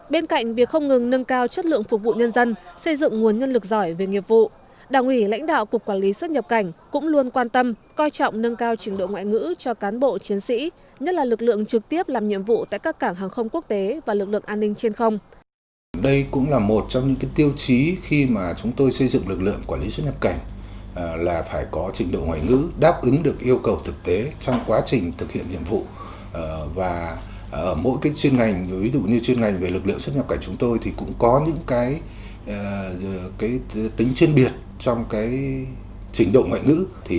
bên cạnh việc không ngừng nâng cao chất lượng phục vụ nhân dân xây dựng nguồn nhân lực giỏi về nghiệp vụ đảng ủy lãnh đạo cục quản lý xuất nhập cảnh cũng luôn quan tâm coi trọng nâng cao trình độ ngoại ngữ cho cán bộ chiến sĩ nhất là lực lượng trực tiếp làm nhiệm vụ tại các cảng hàng không quốc tế và lực lượng an ninh trên không